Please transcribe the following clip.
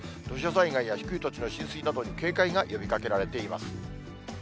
土砂災害や低い土地の浸水などに警戒が呼びかけられています。